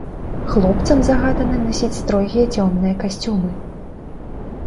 Хлопцам загадана насіць строгія цёмныя касцюмы.